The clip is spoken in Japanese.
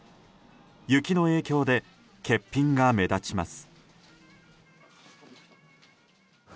雪の影響で欠品が目立ちます。